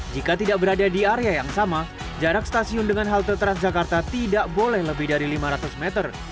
jika tidak berada di area yang sama jarak stasiun dengan halte transjakarta tidak boleh lebih dari lima ratus meter